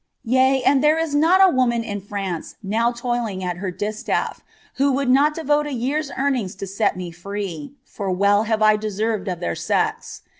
Yea, and (here is not a woman in Fianco DOW toiling at her diatalT, who would not devote a year's earn ings In art me free, for well have I deserved of their sex.